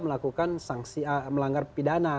melakukan sanksi melanggar pidana